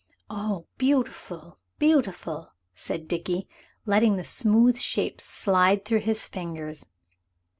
"Oh, beautiful, beautiful!" said Dickie, letting the smooth shapes slide through his fingers.